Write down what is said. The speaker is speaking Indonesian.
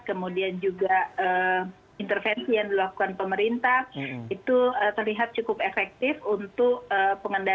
kemudian juga intervensi yang dilakukan pemerintah itu terlihat cukup efektif untuk pengendalian